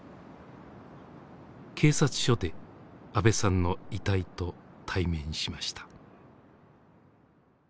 警察署で阿部さんの遺体と対面しました。